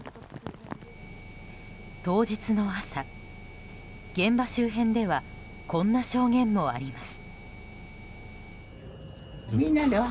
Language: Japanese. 当日の朝、現場周辺ではこんな証言もあります。